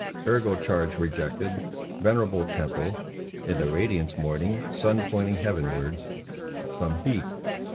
Ergo charge rejected. Venerable temple. In the radiance morning sun pointing heavenwards. From heath.